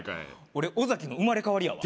俺尾崎の生まれ変わりやわ